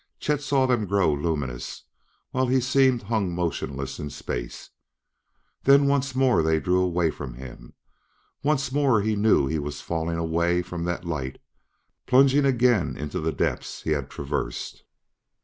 Chet saw them grow luminous while he seemed hung motionless in space. Then once more they drew away from him; once more he knew he was falling away from that light plunging again into the depths he had traversed.